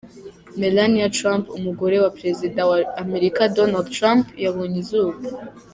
Melania Trump, umugore wa perezida wa Amerika Donald Trump yabonye izuba.